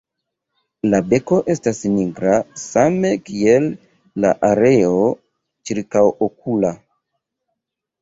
La beko estas nigra, same kiel la areo ĉirkaŭokula.